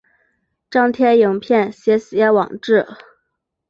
张贴影片写写网志